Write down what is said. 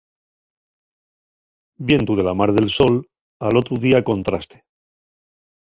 Vientu de la mar del sol, al otru día contraste.